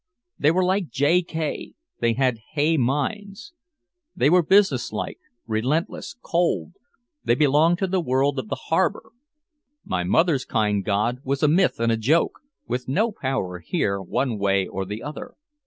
They were like J. K., they had hay minds! They were businesslike, relentless, cold, they belonged to the world of the harbor! My mother's kind god was a myth and a joke, with no power here one way or the other.